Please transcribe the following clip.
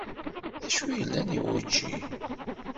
D acu yellan i wučči?